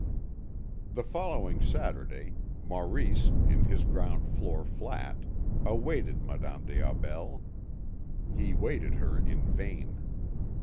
The following Saturday, Maurice, in his ground floor flat, awaited Madame des Aubels. He waited her in vain.